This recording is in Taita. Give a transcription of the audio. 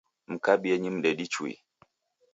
Mkabienyi mdedi chui